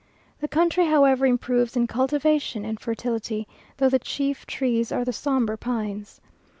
The country, however, improves in cultivation and fertility, though the chief trees are the sombre pines.